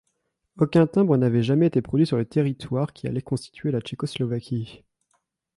Aucun timbre n'avait jamais été produit sur le territoire qui allait constituer la Tchécoslovaquie.